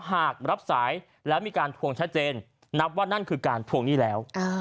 หากรับสายแล้วมีการทวงชัดเจนนับว่านั่นคือการทวงหนี้แล้ว